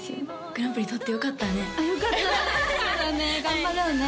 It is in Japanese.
グランプリ取ってよかったねよかったね